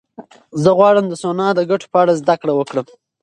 زه غواړم د سونا د ګټو په اړه زده کړه وکړم.